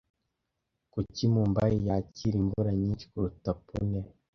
Kuki Mumbai yakira imvura nyinshi kuruta Pune